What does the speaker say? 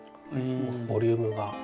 ボリュームが。